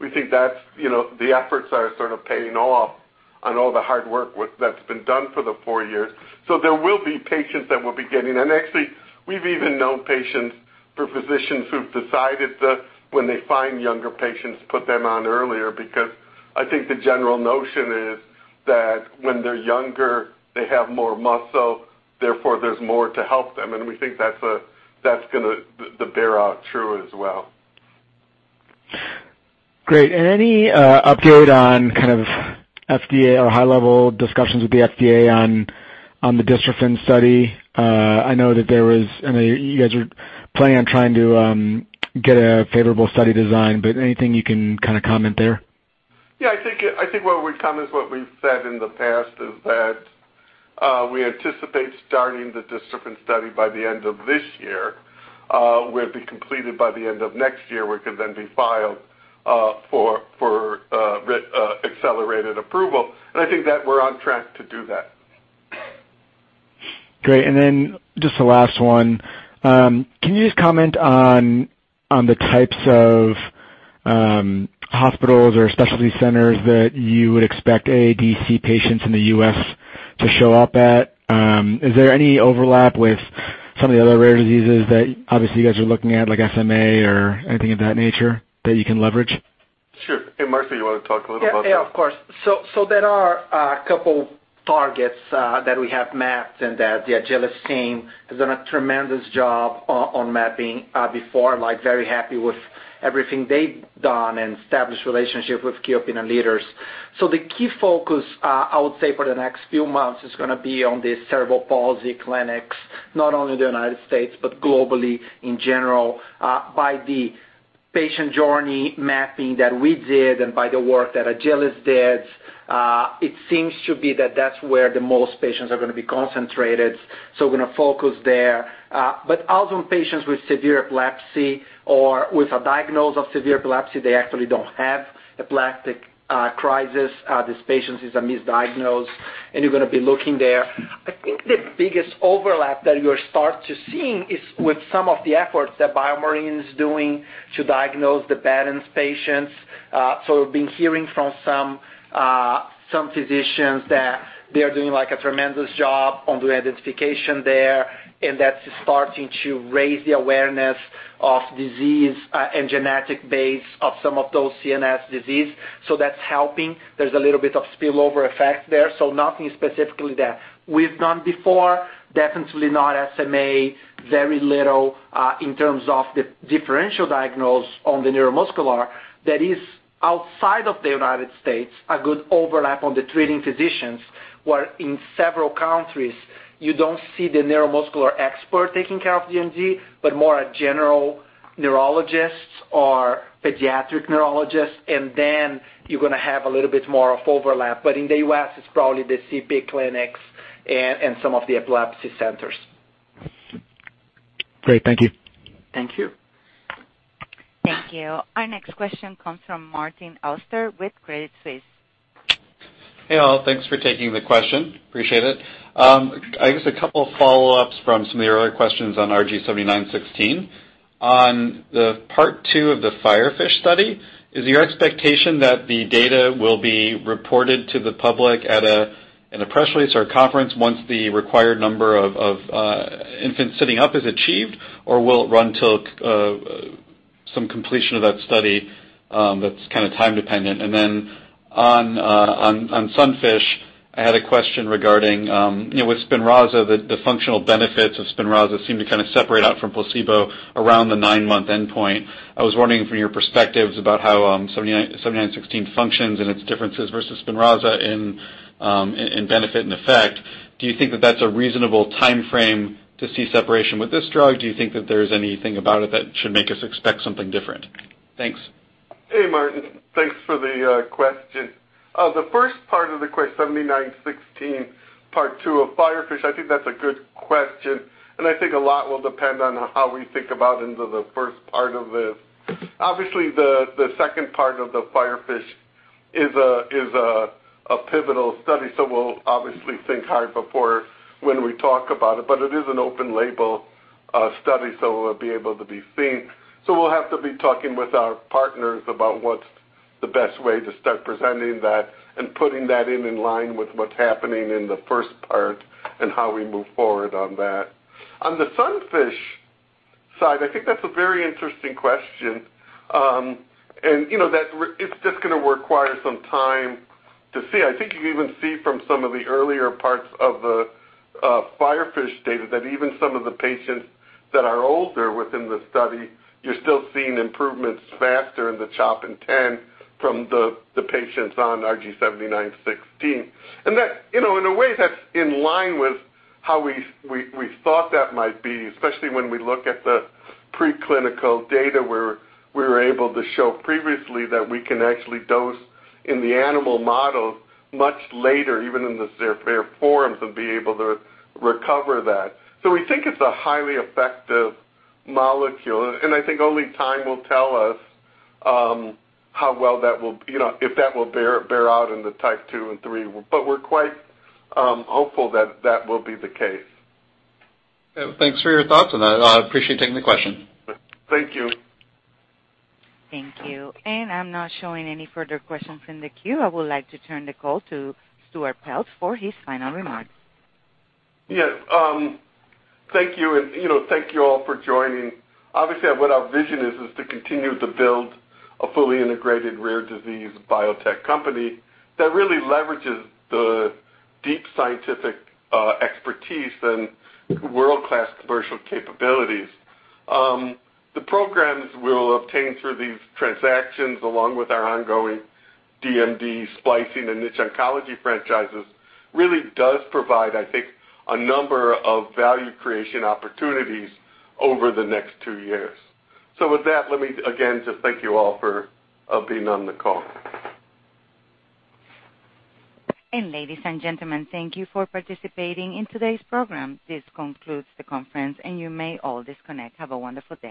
Speaker 3: We think the efforts are sort of paying off on all the hard work that's been done for the four years. There will be patients that we'll be getting. We've even known patients for physicians who've decided to, when they find younger patients, put them on earlier, because I think the general notion is that when they're younger, they have more muscle, therefore, there's more to help them. We think that's going to bear out true as well.
Speaker 10: Great. Any update on kind of FDA or high-level discussions with the FDA on the dystrophin study? I know that you guys are planning on trying to get a favorable study design, anything you can kind of comment there?
Speaker 3: Yeah, I think what we comment is what we've said in the past, is that we anticipate starting the dystrophin study by the end of this year. It will be completed by the end of next year, where it can then be filed for accelerated approval. I think that we're on track to do that.
Speaker 10: Great. Then just the last one. Can you just comment on the types of hospitals or specialty centers that you would expect AADC patients in the U.S. to show up at? Is there any overlap with some of the other rare diseases that obviously you guys are looking at, like SMA or anything of that nature that you can leverage?
Speaker 3: Sure. Hey, Marcio, you want to talk a little about that?
Speaker 4: Yeah, of course. There are a couple targets that we have mapped and that the Agilis team has done a tremendous job on mapping before. Very happy with everything they've done and established relationship with key opinion leaders. The key focus, I would say for the next few months, is going to be on the cerebral palsy clinics, not only in the United States, but globally in general. By the patient journey mapping that we did and by the work that Agilis did, it seems to be that that's where the most patients are going to be concentrated, we're going to focus there. Also patients with severe epilepsy or with a diagnosis of severe epilepsy, they actually don't have epileptic crisis. These patients are misdiagnosed, you're going to be looking there. I think the biggest overlap that you will start to see is with some of the efforts that BioMarin is doing to diagnose the Batten patients. We've been hearing from some physicians that they are doing a tremendous job on the identification there, and that's starting to raise the awareness of disease and genetic base of some of those CNS disease. That's helping. There's a little bit of spillover effect there, so nothing specifically that we've done before. Definitely not SMA. Very little in terms of the differential diagnosis on the neuromuscular. That is, outside of the U.S., a good overlap on the treating physicians, where in several countries you don't see the neuromuscular expert taking care of DMD, but more general neurologists or pediatric neurologists, and then you're going to have a little bit more of overlap. In the U.S., it's probably the CP clinics and some of the epilepsy centers.
Speaker 10: Great. Thank you.
Speaker 4: Thank you.
Speaker 1: Thank you. Our next question comes from Martin Auster with Credit Suisse.
Speaker 11: Hey, all. Thanks for taking the question. Appreciate it. I guess a couple of follow-ups from some of the earlier questions on RG7916. On the part 2 of the FIREFISH study, is your expectation that the data will be reported to the public in a press release or a conference once the required number of infants sitting up is achieved, or will it run till some completion of that study that's time-dependent? On SUNFISH, I had a question regarding with SPINRAZA, the functional benefits of SPINRAZA seem to separate out from placebo around the nine-month endpoint. I was wondering from your perspectives about how 7916 functions and its differences versus SPINRAZA in benefit and effect. Do you think that that's a reasonable timeframe to see separation with this drug? Do you think that there's anything about it that should make us expect something different? Thanks.
Speaker 4: Hey, Martin. Thanks for the question. The first part of the 7916, part 2 of FIREFISH, I think that's a good question. I think a lot will depend on how we think about into the first part of this. Obviously, the second part of the FIREFISH is a pivotal study. We'll obviously think hard before when we talk about it, but it is an open-label study. It will be able to be seen. We'll have to be talking with our partners about what's the best way to start presenting that and putting that in line with what's happening in the first part and how we move forward on that. On the SUNFISH side, I think that's a very interesting question. It's just going to require some time to see. I think you even see from some of the earlier parts of the FIREFISH data that even some of the patients that are older within the study, you're still seeing improvements faster in the CHOP INTEND from the patients on RG7916. In a way, that's in line with how we thought that might be, especially when we look at the preclinical data where we were able to show previously that we can actually dose in the animal models much later, even in the severe forms, and be able to recover that. We think it's a highly effective molecule, and I think only time will tell us if that will bear out in the type 2 and 3, but we're quite hopeful that that will be the case.
Speaker 11: Thanks for your thoughts on that. I appreciate taking the question.
Speaker 4: Thank you.
Speaker 1: Thank you. I'm not showing any further questions in the queue. I would like to turn the call to Stuart Peltz for his final remarks.
Speaker 3: Yes. Thank you, and thank you all for joining. Obviously, what our vision is to continue to build a fully integrated rare disease biotech company that really leverages the deep scientific expertise and world-class commercial capabilities. The programs we'll obtain through these transactions, along with our ongoing DMD splicing and niche oncology franchises, really does provide, I think, a number of value creation opportunities over the next two years. With that, let me again just thank you all for being on the call.
Speaker 1: Ladies and gentlemen, thank you for participating in today's program. This concludes the conference, and you may all disconnect. Have a wonderful day.